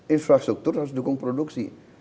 infrastruktur harus mendukung produksi